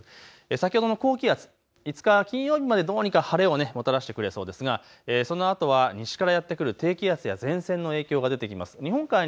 先ほどの高気圧、５日金曜日までどうにか晴れをもたらしてくれそうですがそのあとは西からやって来る低気圧や前線の影響が出てきます。